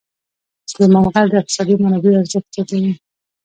سلیمان غر د اقتصادي منابعو ارزښت زیاتوي.